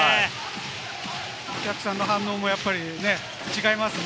お客さんの反応も違いますね。